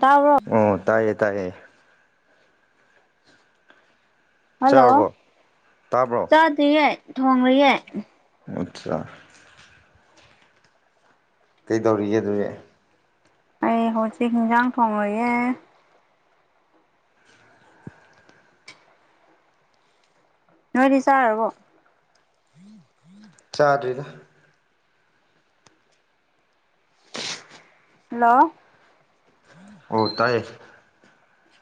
ꯇꯥꯕ꯭ꯔꯣ ꯑꯣ ꯇꯥꯏꯌꯦ ꯇꯥꯏꯌꯦ ꯍꯜꯂꯣ ꯆꯥꯔꯕꯣ ꯇꯥꯕ꯭ꯔꯣ ꯆꯥꯗ꯭ꯔꯤꯌꯦ ꯊꯣꯡꯂꯤꯌꯦ ꯉꯛꯇ꯭ꯔꯥ ꯀꯩꯗꯧꯔꯤꯒꯦ ꯑꯗꯨꯗꯤ ꯑꯩ ꯍꯣꯆꯤꯛ ꯍꯤꯟꯖꯥꯡ ꯊꯣꯡꯉꯨꯏꯌꯦ ꯅꯣꯏꯗꯤ ꯆꯥꯔꯕꯣ ꯆꯥꯗ꯭ꯔꯤꯗ ꯍꯜꯂꯣ ꯑꯣ ꯇꯥꯏꯌꯦ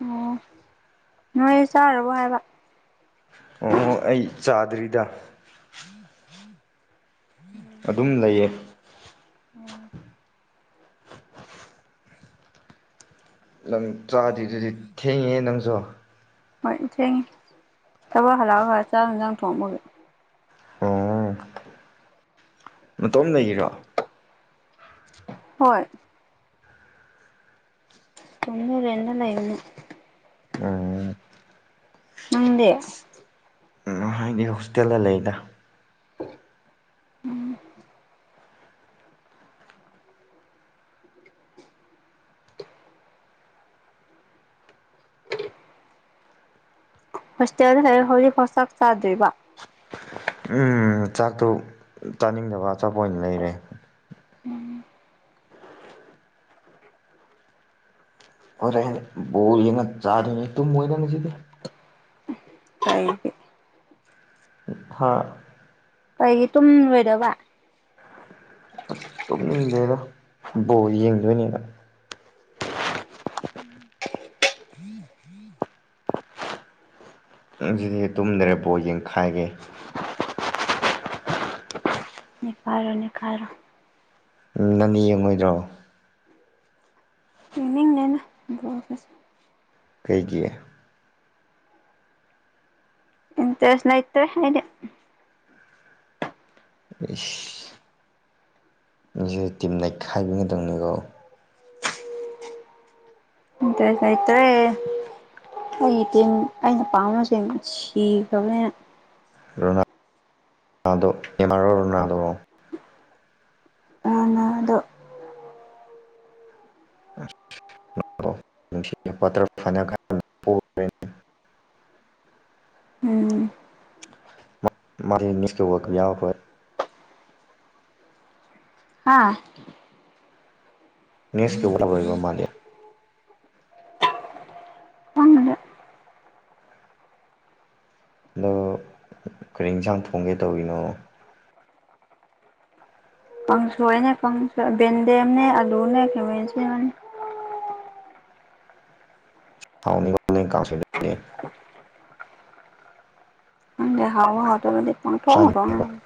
ꯑꯣ ꯅꯣꯏ ꯆꯥꯔꯕꯣ ꯍꯥꯏꯕ ꯑꯣ ꯑꯣ ꯑꯩ ꯆꯥꯗ꯭ꯔꯤꯗ [inaudible] ꯑꯗꯨꯝ ꯂꯩꯌꯦ ꯑꯣ ꯅꯪ ꯆꯥꯗ꯭ꯔꯤꯗꯨꯗꯤ ꯊꯦꯡꯉꯦꯍꯦ ꯅꯪꯁꯨ ꯍꯣꯏ ꯊꯦꯡꯉꯦ ꯊꯕꯛ ꯍꯂꯛꯑꯒ ꯆꯥꯛ ꯏꯟꯖꯥꯡ ꯊꯣꯡꯕꯒꯤ ꯑꯣ ꯅꯇꯣꯝ ꯂꯩꯔꯤꯔꯣ ꯍꯣꯏ ꯇꯨꯡꯅ ꯔꯦꯟꯗ ꯂꯩꯕꯅꯦ ꯑ ꯅꯪꯗꯤ ꯅꯤꯔ ꯍꯣꯁꯇꯦꯜꯗ ꯂꯩꯗ ꯎꯝ ꯍꯣꯁꯇꯦꯜꯗ ꯂꯩꯔ ꯍꯧꯖꯤꯛꯐꯥꯎ ꯆꯥꯛ ꯆꯥꯗ꯭ꯔꯤꯕ ꯎꯝ ꯆꯥꯛꯇꯨ ꯆꯥꯅꯤꯡꯗꯕ ꯑꯆꯥꯄꯣ ꯑꯣꯏꯅ ꯂꯩꯔꯦ ꯍꯣꯔꯦꯟ ꯕꯣꯜ ꯌꯦꯡꯉ ꯆꯥꯗꯨꯏꯅꯤ ꯇꯨꯝꯃꯣꯏꯗ ꯉꯁꯤꯗꯤ ꯇꯩꯒꯤ ꯊꯥ ꯀꯩꯒꯤ ꯇꯨꯝꯂꯣꯏꯗꯕ ꯑꯁ ꯇꯨꯝꯅꯤꯡꯗꯦꯗ ꯕꯣꯜ ꯌꯦꯡꯗꯣꯏꯅꯦꯅ ꯉꯁꯤꯗꯤ ꯇꯨꯝꯗ꯭ꯔꯦ ꯕꯣꯜ ꯌꯦꯡꯈꯥꯏꯒꯦ ꯅꯤꯛꯈꯥꯏꯔꯣ ꯅꯤꯛꯈꯥꯏꯔꯣ ꯅꯪꯅꯤ ꯌꯦꯡꯉꯣꯏꯗ꯭ꯔꯣ ꯌꯦꯅꯤꯡꯗꯦꯅ ꯕꯣꯜꯀꯁꯦ ꯀꯩꯒꯤ ꯏꯟꯇ꯭ꯔꯦꯁ ꯂꯩꯇꯦ ꯑꯩꯗꯤ ꯏꯁ ꯉꯁꯤꯗꯤ ꯇꯤꯝ ꯅꯩꯈꯥꯏꯕꯤ ꯉꯥꯛꯇꯡꯅꯤꯀꯣ ꯏꯟꯇ꯭ꯔꯦꯁ ꯂꯩꯇ꯭ꯔꯦ ꯑꯩ ꯇꯤꯝ ꯑꯩꯅ ꯄꯥꯝꯕ ꯁꯤꯡ ꯁꯤꯈ꯭ꯔꯕꯅꯤꯅ ꯔꯣꯅꯥ ꯑꯗꯣ ꯅꯦꯃꯔꯔꯣ ꯔꯣꯅꯥꯜꯗꯣꯔꯣ ꯔꯣꯅꯥꯜꯗꯣ ꯋꯇꯔ ꯐꯅꯦꯜ [unintelligible] ꯎꯝ ꯃꯗꯤ ꯅꯤꯛꯁꯀꯤ ꯋꯥꯜ ꯀꯥꯞ ꯌꯥꯎꯔꯔꯣꯏ ꯍꯥꯥ ꯅꯦꯛꯁꯀꯤ [unintelligible] ꯌꯥꯔꯔꯣꯏꯕ ꯃꯥꯗꯤ ꯈꯪꯗꯦ ꯑꯗꯣ ꯀꯔꯤ ꯌꯦꯟꯁꯥꯡ ꯊꯣꯡꯒꯦ ꯇꯧꯔꯤꯅꯣ꯫ ꯀꯪꯁꯣꯏꯅꯦ ꯀꯪꯁꯣꯏ ꯌꯦꯟꯗꯦꯝꯅꯦ ꯑꯂꯨꯅꯦ ꯈꯥꯃꯦꯟ ꯑꯁꯤꯟꯕꯅꯦ꯫ [unintelligible] ꯀꯪꯁꯣꯢꯗꯣ ꯈꯪꯗꯦ ꯍꯥꯎꯕ ꯍꯥꯎꯇꯥꯕꯗꯤ ꯄꯪꯊꯣꯡ ꯊꯣꯡꯉꯦ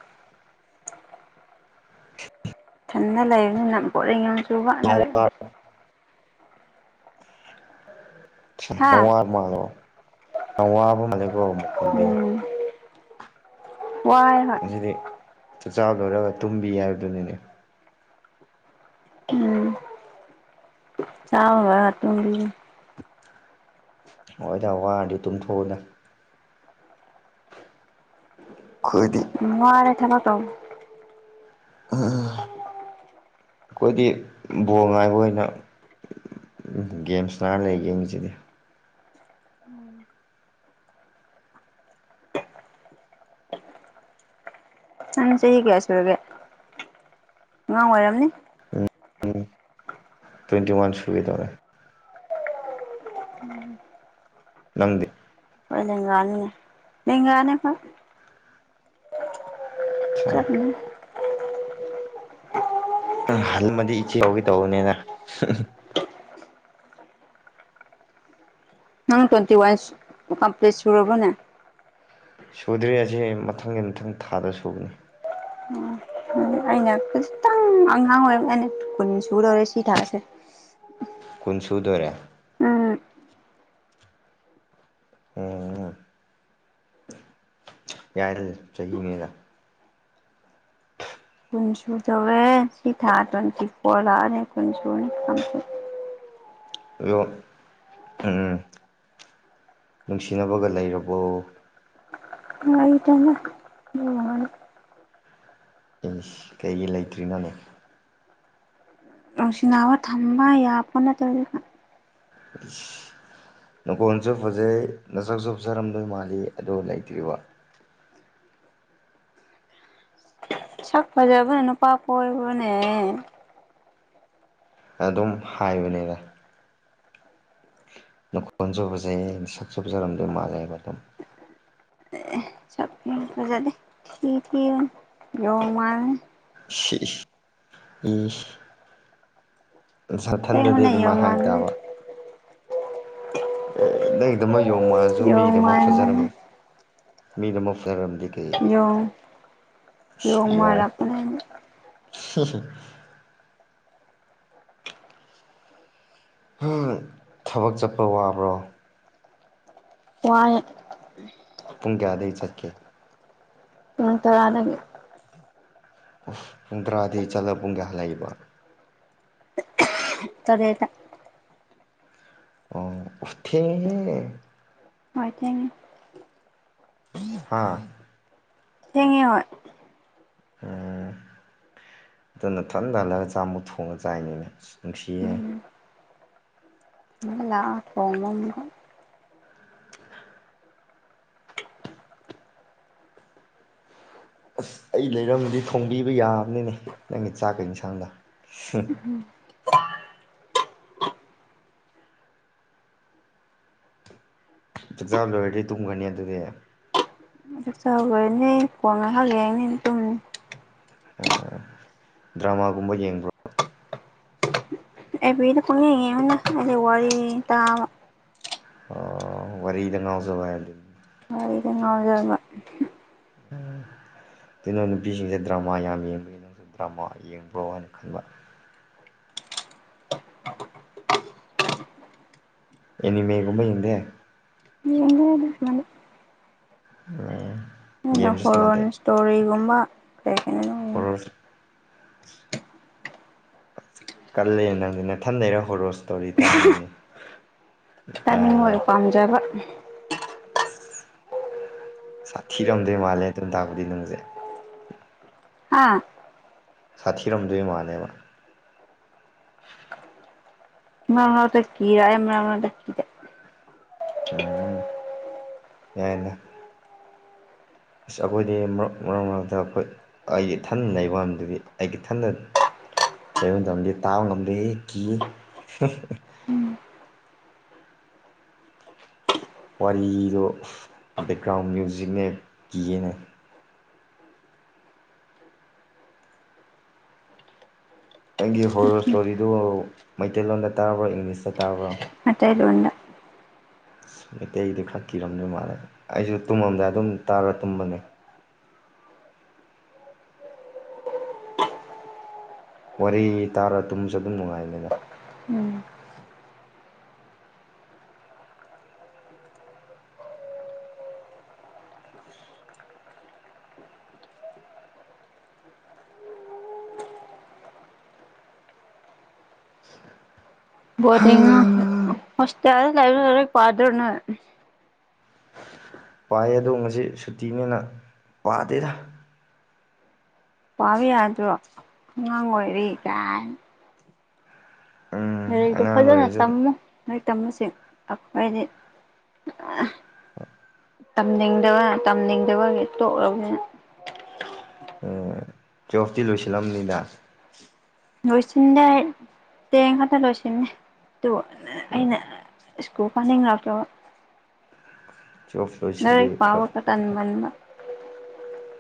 ꯢꯊꯟꯅ ꯂꯩꯕꯅꯤꯅ ꯄꯣꯔꯤꯡ ꯌꯥꯝꯆꯨꯕ ꯌꯥꯝ ꯑꯗꯨꯒꯤ ꯍꯥ ꯅꯋꯥꯕ ꯃꯥꯜꯂꯣ [unintelligible] ꯅꯋꯥꯕ ꯃꯥꯜꯂꯦꯀꯣ [unintelligible] ꯑꯃꯨꯛ ꯈꯣꯕꯤ꯫ ꯎꯝ ꯋꯥꯏ ꯍꯣꯏ ꯉꯁꯤꯗꯤ ꯆꯥꯛꯆꯥꯥ ꯂꯣꯢꯔꯒ ꯇꯨꯝꯕꯤ ꯍꯥꯏꯕꯗꯨꯅꯤꯅꯦ꯫ ꯎꯝ꯫ ꯆꯥꯕ ꯂꯣꯢꯔ ꯇꯨꯝꯗꯨꯢꯅꯦ ꯍꯣꯏꯗ ꯋꯥꯔꯗꯤ ꯇꯨꯝꯊꯣꯛꯑꯣꯗ ꯑꯈꯣꯢꯗꯤ__ ꯋꯥꯔꯦ ꯊꯕꯛ ꯇꯧ [inaudible] ꯛꯩꯈꯣꯏꯗꯤ ꯕꯣꯜ ꯉꯥꯏꯕ ꯑꯣꯏꯅ__ ꯒꯦꯝ ꯁꯅꯥꯔꯒ ꯂꯩꯒꯦ ꯉꯁꯤꯗꯤ꯫ [inaudible] ꯅꯪ ꯆꯍꯤ ꯀꯦꯌꯥ ꯁꯨꯔꯒꯦ ꯑꯉꯥꯡ ꯑꯣꯏꯔꯝꯅꯤ꯫ ꯎꯝ ꯇ꯭ꯋꯦꯟꯇꯤ ꯋꯥꯟ ꯁꯨꯒꯦ ꯗꯧꯔꯦ꯫ [inaudible] ꯅꯪꯗꯤ꯫ ꯑꯩꯗꯤ ꯑꯉꯥꯡꯅꯤꯅꯦ ꯂꯦꯡꯒꯅꯤ ꯑꯩꯈꯣꯢ [unintelligible] ꯍꯜꯂꯝꯃꯗꯤ ꯏꯆꯦ ꯀꯥꯎꯒꯦ ꯇꯧꯕꯅꯤꯅ__ ꯅꯪ ꯇ꯭ꯋꯦꯟꯇꯤ ꯋꯥꯟ ꯀꯝꯄ꯭ꯂꯤꯠ ꯁꯨꯔꯕꯅꯦ꯫ ꯁꯨꯗ꯭ꯔꯤ ꯑꯁꯤ ꯑꯩ ꯃꯊꯪꯒꯤ ꯃꯊꯪ ꯊꯥꯗ ꯁꯨꯒꯅꯤ꯫ ꯎꯝ꯫ ꯑꯩꯅ ꯈꯖꯤꯇꯪ__ ꯑꯉꯥꯡ ꯑꯣꯏꯕꯅꯦ ꯀꯨꯟ ꯁꯨꯒꯗꯧꯔꯦ ꯁꯤ ꯊꯥꯁꯦ꯫ ꯀꯨꯟ ꯁꯨꯨꯗꯣꯔꯦ꯫ ꯎꯝ ꯎꯝ ꯌꯥꯏ ꯆꯍꯤꯅꯤꯅ ꯀꯨꯟꯁꯨꯨꯗꯧꯔꯦ ꯁꯤ ꯊꯥ ꯇ꯭ꯋꯦꯟꯇꯤ ꯐꯣꯔ ꯂꯥꯛꯑꯅꯦ ꯀꯨꯟꯁꯨꯨꯔꯅꯤ ꯀꯝꯄ꯭ꯂꯤꯠ ꯑꯗꯣ ꯎꯝ ꯅꯨꯡꯁꯤꯅꯕꯒ ꯂꯩꯔꯕꯣ꯫ ꯂꯩꯇꯦꯗ ꯑꯗꯨ ꯏꯁ ꯀꯩꯒꯤ ꯂꯩꯇ꯭ꯔꯤꯅꯣꯅꯦ꯫ ꯅꯨꯡꯁꯤꯅꯥꯕ ꯊꯝꯕ ꯌꯥꯄꯥ ꯅꯠꯇ꯭ꯔꯤꯗ [inaudible] ꯅꯈꯣꯟꯁꯨ ꯐꯖꯩ ꯅꯁꯛꯁꯨ ꯐꯖꯔꯝꯗꯣꯏ ꯃꯥꯜꯂꯤ ꯑꯗꯣ ꯂꯩꯇ꯭ꯔꯤꯕ꯫ ꯁꯛ ꯐꯖꯕꯅ ꯅꯨꯄꯥ ꯀꯣꯏꯕꯅꯦ ꯑꯗꯨꯝ ꯍꯥꯏꯕꯅꯤꯗ ꯅꯈꯣꯟꯖꯨ ꯕꯖꯩ ꯁꯛꯆꯨ ꯕꯖꯔꯝꯗꯣꯏ ꯃꯥꯜꯂꯦ ꯍꯥꯏꯕ ꯑꯗꯨꯝ ꯎꯝ ꯐꯖꯅꯤ ꯊꯤ ꯊꯤꯕꯅꯦ ꯌꯣꯡ ꯃꯥꯜꯂꯦ ꯁꯤꯏꯁ ꯏꯁ ꯅꯁꯥꯊꯟꯗꯗꯤ ꯑꯁꯦꯡꯕꯅꯦ ꯑꯗꯨꯃꯥꯏ ꯌꯣꯡ ꯍꯥꯏꯕ ꯃꯥꯟꯕꯅꯦ ꯇꯥꯕ ꯑꯦ ꯅꯪꯒꯤꯗꯃꯛ ꯌꯣꯝ ꯃꯥꯜꯁꯨ ꯌꯣꯡ ꯃꯤꯒꯤꯗꯃꯛ ꯃꯥꯟꯕꯅꯦ ꯐꯖꯔꯝꯃꯅꯤ ꯃꯤꯗꯃꯛ ꯐꯖꯔꯝꯗꯤ ꯀꯩ ꯌꯣꯡ ꯌꯣꯡ ꯃꯥꯔꯛꯄꯅꯦ ꯁꯤꯁꯤ [unintelligible] ꯎꯝ ꯊꯕꯛ ꯆꯠꯄ ꯋꯥꯕ꯭ꯔꯣ ꯋꯥꯏ ꯄꯨꯡ ꯀꯌꯥꯗꯒꯤ ꯆꯠꯀꯦ ꯎ ꯇꯔꯥ ꯅꯪ [unintelligible] ꯎ ꯄꯨꯡ ꯇꯔꯥꯗꯤ ꯆꯠꯂ ꯄꯨꯡ ꯀꯌꯥ ꯍꯜꯂꯛꯏꯕ ꯇꯔꯦꯠꯗ ꯑꯣ ꯊꯦꯡꯉꯦꯍꯦ ꯍꯣꯏ ꯊꯦꯡ ꯍꯥꯥ ꯊꯦꯡꯉꯦ ꯍꯣꯏ ꯑꯣ ꯑꯗꯨꯅ ꯊꯟꯊ ꯍꯜꯂꯒ ꯆꯥꯝꯃꯨꯛ ꯊꯣꯡꯉꯒ ꯆꯥꯏꯅꯤꯅꯦ ꯅꯨꯡꯁꯤꯌꯦ ꯂꯥꯛꯑ ꯊꯣꯡꯕꯅꯤ ꯍꯣꯏ ꯑꯁ ꯑꯩ ꯂꯩꯔꯝꯃꯗꯤ ꯊꯣꯡꯕꯤꯕ ꯌꯥꯕꯅꯤꯅꯦ ꯅꯪꯒꯤ ꯆꯥꯛꯀ ꯏꯟꯁꯥꯡꯒ ꯆꯥꯛꯖꯥ ꯂꯣꯏꯔꯗꯤ ꯇꯨꯝꯒꯅꯤ ꯑꯗꯨꯗꯤ ꯆꯥꯛ ꯂꯣꯏꯔꯗꯤ ꯐꯣꯟ ꯉꯍꯥꯛ ꯌꯦꯡꯂꯅꯤ ꯑꯗꯨꯝ ꯑꯣ ꯗ꯭ꯔꯃꯥꯒꯨꯝꯕ ꯌꯦꯡꯕ꯭ꯔꯣ ꯑꯦꯐꯕꯤꯗ ꯈꯇꯡ ꯌꯦꯡꯕꯅꯤ ꯋꯥꯔꯤꯔꯤ ꯇꯥꯕ ꯋꯥꯔꯤꯗ ꯉꯥꯎꯖꯕ ꯍꯥꯏ ꯑꯗꯨ ꯋꯥꯔꯤꯗ ꯉꯥꯎꯖꯕ ꯎꯝ ꯑꯗꯨꯅ ꯅꯨꯄꯤꯁꯤꯡꯁꯦ ꯗ꯭ꯔꯃꯥ ꯌꯥꯝ ꯌꯦꯡꯕꯒꯤ ꯅꯪꯁꯨ ꯗ꯭ꯔꯃꯥ ꯌꯦꯡꯕ꯭ꯔꯣ ꯍꯥꯏꯅ ꯈꯟꯕ ꯏꯅꯤꯃꯦꯒꯨꯝꯕ ꯌꯦꯡꯗꯦ ꯌꯦꯡ [unintelligible] ꯎꯝ ꯍꯣꯔꯣꯟ ꯏꯁꯇꯣꯔꯤꯒꯨꯝꯕ ꯀꯩ ꯍꯥꯏ ꯍꯔ ꯀꯜꯂꯦ ꯅꯪꯗꯤ ꯅꯊꯟ ꯂꯩꯔ ꯍꯣꯔꯣ ꯁ꯭ꯇꯣꯔꯤ ꯇꯥꯏꯅꯤꯅꯦ ꯇꯃꯤ ꯌꯥꯏꯌꯦ ꯑꯣꯏ ꯄꯥꯝꯖꯕ ꯁꯥꯊꯤꯔꯝꯗꯣꯏ ꯃꯥꯜꯂꯦ ꯑꯗꯨꯝ ꯇꯥꯛꯄꯗꯤ ꯅꯪꯁꯦ ꯑꯥ ꯁꯥꯊꯤꯔꯝꯗꯣꯏ ꯃꯥꯜꯂꯦꯕ ꯃꯅ ꯇ ꯀꯔ ꯌꯥꯝ ꯃꯅꯅ ꯇ ꯀꯔ ꯎꯝ ꯌꯥꯏꯅ ꯑꯁ ꯑꯩꯈꯣꯏꯗꯤ ꯃꯔꯛ ꯃꯔꯛ ꯃꯔꯛꯇ ꯑꯩꯈꯣꯏ ꯑꯩꯒꯤ ꯏꯊꯟꯅ ꯂꯩꯕꯗꯨꯗꯤ ꯑꯩꯒꯤ ꯏꯊꯟꯗ ꯇꯩ ꯇꯝꯗꯤ ꯇꯥ ꯉꯝꯗꯦꯍꯦ ꯀꯤꯌꯦ ꯋꯥꯔꯤꯗꯣ ꯕꯦꯛꯒ꯭ꯔꯥꯎꯟ ꯃ꯭ꯌꯨꯖꯤꯛꯅꯦ ꯀꯤꯌꯦꯅꯦ ꯑꯩꯒꯤ ꯍꯣꯔꯣꯔ ꯏꯁꯇꯣꯔꯤꯗꯨ ꯃꯩꯇꯩꯂꯣꯟꯗ ꯇꯥꯔꯕ꯭ꯔꯣ ꯏꯪꯂꯤꯁꯇ ꯇꯥꯕ꯭ꯔꯣ ꯑꯇꯩ ꯂ‌ꯣꯏꯅ ꯑꯁ ꯃꯩꯇꯩꯒꯤꯗꯤ ꯈꯔ ꯀꯤꯔꯝꯗꯧ ꯃꯥꯜꯂꯦ ꯑꯩꯁꯨ ꯇꯨꯝꯃꯝꯗꯏ ꯑꯗꯨꯝ ꯇꯥꯔ ꯇꯨꯝꯕꯅꯦ ꯋꯥꯔꯤ ꯇꯥꯔ ꯇꯨꯝꯁꯨ ꯑꯗꯨꯝ ꯅꯨꯡꯉꯥꯏꯅꯦꯕ ꯎꯝ ꯕ‌ꯣꯔꯗꯤꯡꯉꯥꯛꯇ ꯍ‌ꯣꯁꯇ‌ꯦꯜ ꯂꯩꯔ ꯂꯥꯏꯔꯤꯛ ꯄꯥꯗꯔꯅ‌ꯦ ꯄꯥꯏ ꯑꯗꯣ ꯉꯁꯤ ꯁꯨꯇꯤꯅꯦꯅ ꯄꯥꯗꯦꯗ ꯄꯥꯕ ꯌꯥꯗ꯭ꯔꯣ ꯑꯉꯥꯡ ꯑꯣꯏꯔꯤ ꯀꯥꯏꯅꯤ ꯎꯝ ꯂꯥꯏꯔꯤꯛꯇꯨ ꯑꯉꯥꯡ ꯐꯖꯅ ꯑꯣꯏꯔꯁꯨ ꯇꯝꯃꯨ ꯂꯥꯏꯔꯤꯛ ꯇꯝꯃꯨꯁꯦ ꯑꯩꯈꯣꯏꯗꯤ ꯇꯝꯅꯤꯡꯗꯕ ꯇꯝꯅꯤꯡꯗꯕꯒꯤ ꯇꯣꯛꯂꯕꯅꯤꯅ ꯎꯝ ꯇꯨꯌꯦꯜꯐꯇꯤ ꯂꯣꯏꯁꯤꯜꯂꯝꯕꯅꯤꯅ ꯂꯣꯏꯁꯤꯟꯗꯦ ꯇꯦꯡ ꯈꯛꯇ ꯂꯣꯏꯁꯤꯟꯃꯦ ꯑꯗꯨ ꯑꯩꯅ ꯁꯀꯨꯜ ꯀꯥꯅꯤꯡꯉꯛꯇꯕ ꯇꯨꯌꯦꯜꯐ ꯂꯣꯏꯁꯤꯜꯂꯤ ꯂꯥꯏꯔꯤꯛ ꯄꯥꯕꯥ ꯈꯔ ꯇꯟꯒꯟꯕ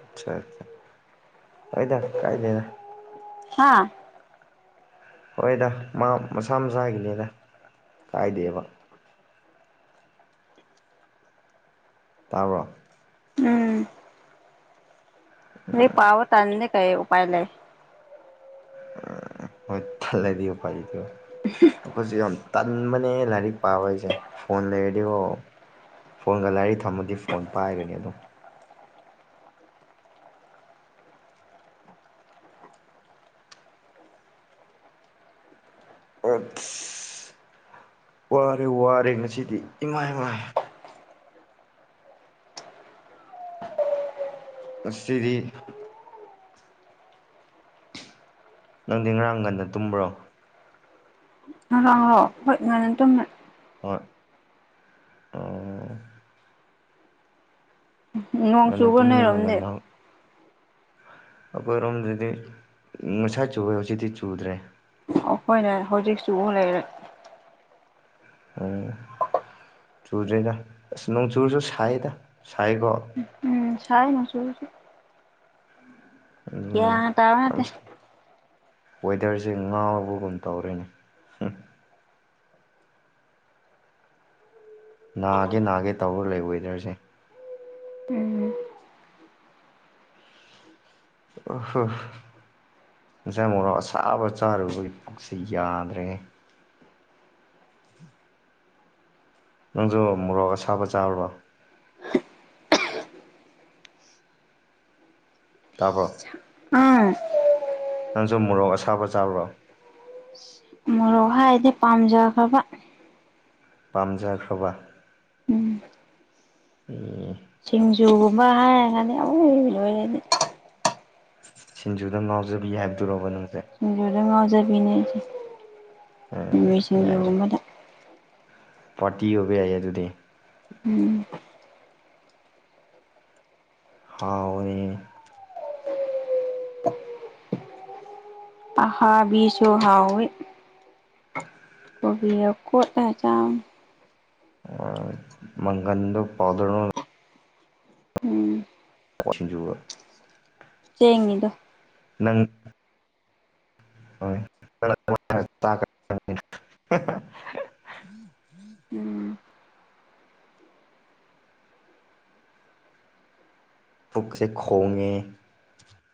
ꯑꯆꯥ ꯑꯩꯅ ꯀꯥꯏꯗꯅ ꯍꯥꯥ ꯍꯣꯏꯗ ꯃꯥ ꯃꯁꯥ ꯃꯁꯥꯒꯤꯅꯦꯗ ꯀꯥꯏꯗꯦꯕ ꯇꯥꯕꯔ‌ꯣ ꯎꯝ ꯃꯤ ꯄꯕ ꯇꯥꯟꯅꯤ ꯀꯩ ꯎꯄꯥꯏ ꯂꯩ ꯍꯣꯏ ꯇꯜꯂꯗꯤ ꯑꯨꯄꯥꯏ ꯂꯩꯇꯦꯕꯨ ꯎꯝ ꯑꯩꯈꯣꯏꯁꯨ ꯌꯥꯝ ꯇꯟꯕꯅꯦ ꯂꯥꯏꯔꯤꯛ ꯄꯥꯕ ꯑꯩꯁꯦ ꯐꯣꯟ ꯂꯩꯔꯗꯤꯀꯣ ꯐꯣꯟꯒ ꯂꯥꯏꯔꯤꯛ ꯊꯝꯃꯗꯤ ꯐꯣꯟ ꯄꯥꯏꯒꯅꯤ ꯑꯗꯨꯝ ꯑꯁ ꯋꯥꯔꯦ ꯋꯥꯔꯦ ꯉꯁꯤꯗꯤ ꯏꯃꯥꯃꯥꯏ ꯉꯥꯁꯤꯗꯤ ꯅꯪꯗꯤ ꯉꯔꯥꯡ ꯉꯥꯟꯅ ꯇꯨꯝꯕ꯭ꯔꯣ ꯉꯥꯔꯥꯡꯂ‌‌ꯣ ꯍꯣꯏ ꯉꯥꯟꯅ‌ ꯇꯨꯝꯃ‌ꯦ ꯍꯣꯏ ꯑꯥ ꯅꯣꯡ ꯉꯟꯅ ꯆꯨꯕ ꯇꯨꯝꯅꯤꯅ ꯅ‌ꯣꯏꯔꯣꯝꯗꯤ ꯉꯟꯅ ꯑꯩꯈꯣꯏꯔꯣꯝꯗꯗꯤ ꯉꯥꯁꯥꯏ ꯆꯨꯕ ꯍꯧꯖꯤꯛꯇꯤ ꯆꯨꯗ꯭ꯔꯦ ꯑꯩꯈꯣꯏꯅ ꯍꯧꯖꯤꯛꯁꯨ ꯆꯨ ꯂꯩꯔꯦ ꯎꯝ ꯆꯨꯗ꯭ꯔ‌ꯦꯗ ꯑꯁ ꯅꯣꯡꯆꯨꯁꯨ ꯁꯥꯏꯗ ꯁꯥꯏꯀꯣ ꯎꯝ ꯁꯥꯏ ꯃꯁꯨ ꯑꯗꯨꯅꯦ ꯒꯥꯌꯟ ꯌꯥꯝ ꯇꯕꯅꯠꯇꯦ ꯋꯦꯗꯔꯁꯦ ꯉꯥꯎꯕꯒꯨꯝ ꯇꯧꯔꯦꯅꯦ ꯅꯥꯒꯦ ꯅꯥꯒꯦ ꯇꯧꯔ ꯂꯩ ꯋꯦꯗꯔꯁꯦ ꯎꯝ ꯑꯝ ꯍꯝ ꯉꯥꯁꯥꯏ ꯃꯣꯔ‌ꯣꯛ ꯑꯁꯥꯕ ꯆꯥꯔꯨꯕꯒꯤ ꯄꯨꯛꯁꯤ ꯌꯥꯗ꯭ꯔꯦ ꯅꯪꯁꯨ ꯃꯣꯔꯣꯛ ꯑꯁꯥꯕ ꯆꯥꯔꯨꯕ ꯇꯥꯕ꯭ꯔꯣ ꯑꯥ ꯅꯪꯁꯨ ꯃꯣꯔꯣꯛ ꯑꯁꯥꯕ ꯆꯥꯕ꯭ꯔꯣ ꯍꯣꯏ ꯑꯩꯗꯤ ꯄꯥꯝꯖꯕꯒ ꯄꯥꯝꯖꯈ꯭ꯔꯕ ꯎꯝ ꯑꯝ ꯁꯤꯡꯖꯨꯒꯨꯝꯕ ꯍꯥꯏꯔꯒꯗꯤ ꯎ ꯂꯣꯏꯔꯦ ꯑꯩꯗꯤ ꯁꯤꯡꯖꯨꯗ ꯉꯥꯎꯖꯕꯤ ꯍꯥꯏꯕꯗꯨꯔꯣ ꯅꯪꯁꯦ ꯁꯤꯡꯖꯨꯗ ꯉ ꯥꯎꯖꯕꯤꯅꯤ ꯑꯩꯁꯤ ꯑꯦ ꯃꯤꯃꯤ ꯁꯤꯡꯖꯨꯒꯨꯝꯕꯗ ꯄꯥꯔꯠꯇꯤ ꯑꯣꯏꯕ ꯌꯥꯏꯌꯦ ꯑꯗꯨꯗꯤ ꯑꯝ ꯍꯥꯎꯅꯤ ꯑꯍꯥꯕꯤꯁꯨ ꯍꯥꯎꯏ ꯀꯣꯕꯤꯒ ꯀꯣꯠꯂ ꯆꯥꯎ ꯃꯪꯒꯟꯗꯨ ꯄꯥꯎꯗꯔ ꯑꯝ ꯨ [unintelligible] ꯖꯨꯕ ꯆꯦꯡꯅꯤꯗ ꯅꯪ ꯍꯣꯏ ꯑꯝ ꯄꯨꯛꯁꯦ ꯈꯣꯡꯉꯦ